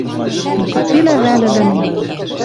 Но кыцелӓ вӓл ӹлӹнем